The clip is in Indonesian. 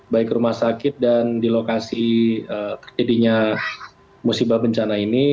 baik rumah sakit dan di lokasi kejadian musibah bencana ini